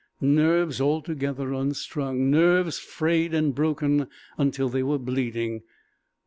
Nerves altogether unstrung! Nerves frayed and broken until they were bleeding!